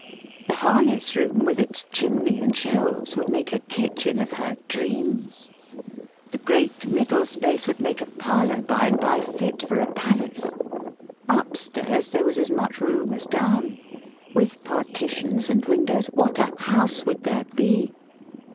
The harness room, with its chimney and shelves, would make a kitchen of her dreams. The great middle space would make a parlor, by and by, fit for a palace. Up stairs there was as much room as down. With partitions and windows, what a house would there be!